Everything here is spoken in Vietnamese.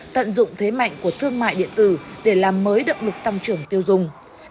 tận dụng thế mạnh của thương mại điện tử để làm mới động lực tăng trưởng tiêu dùng